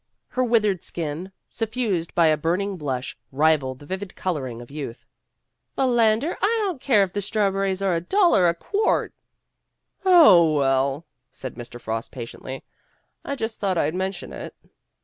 Her withered skin, suffused by a burning blush, rivalled the vivid coloring of youth. "Phil ander, I don't care if the strawberries are a dollar a quart " "Oh, well," said Mr. Frost patiently. "I just thought I 'd mention it.